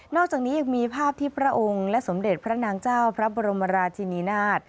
อกจากนี้ยังมีภาพที่พระองค์และสมเด็จพระนางเจ้าพระบรมราชินีนาฏ